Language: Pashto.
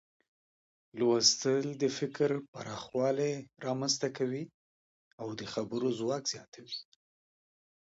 لوستل د فکر پراخوالی رامنځته کوي او د خبرو ځواک زیاتوي.